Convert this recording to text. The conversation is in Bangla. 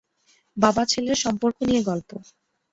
বাবা ছেলের সম্পর্ক নিয়ে গল্প।